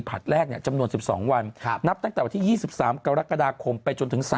บุรีผลัดแรกเนี่ยจำนวน๑๒วันครับนับตั้งแต่วันที่๒๓กรกฎาคมไปจนถึง๓